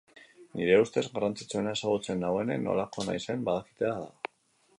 Nire ustez, garrantzitsuena ezagutzen nautenek nolakoa naizen badakitela da.